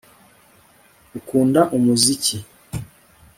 ukunda umuziki